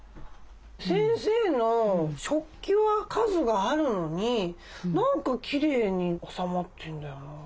先生の食器は数があるのに何かきれいに収まってんだよな。